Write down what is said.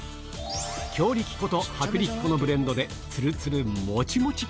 強力粉と薄力粉のブレンドで、つるつるもちもち。